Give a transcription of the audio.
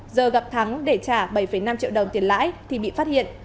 giờ gặp thắng để trả bảy năm triệu đồng tiền lãi thì bị phát hiện